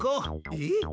えっ？